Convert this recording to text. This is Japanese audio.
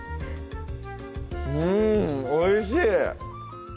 うんおいしい！